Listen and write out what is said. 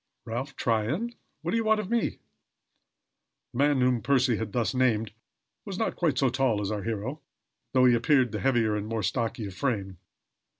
"Ralph Tryon! What do you want of me?" The man whom Percy had thus named was not quite so tall as was our hero, though he appeared the heavier and more stocky of frame.